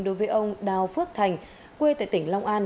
đối với ông đào phước thành quê tại tỉnh long an